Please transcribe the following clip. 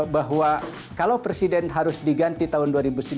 bahwa kalau presiden harus diganti tahun dua ribu sembilan belas